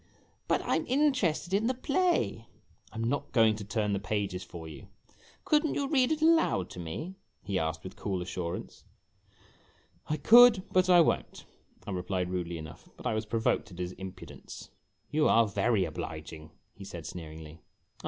" But I 'm interested in the play !"" I 'm not going to turn the pages for you." " Could n't you read it aloud to me ?" he asked, with cool assurance. " I could, but I won't," I replied, rudely enough ; but I was pro voked at his impudence. 8o IMAGINOTIONS "You are very obliging," he said, sneeringly.